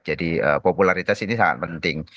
jadi popularitas ini sangat penting